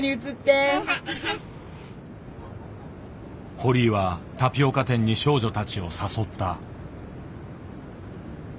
堀井はタピオカ店に少女たちを誘った。